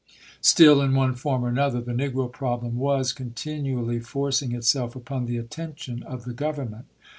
Still, in one form or another, the negro problem was continually forcing itself upon the attention of the Grovernment.